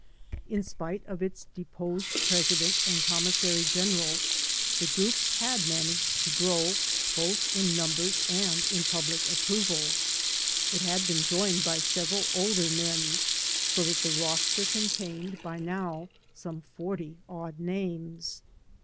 In spite of its deposed president and commissary general, the group had managed to grow both in numbers and in public approval. It had been joined by several older men, so that the roster contained, by now, some forty odd names.